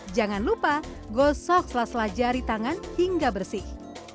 jangan lupa gosok sela sela jari tangan hingga bersih